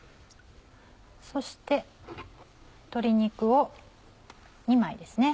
そして鶏肉を２枚ですね。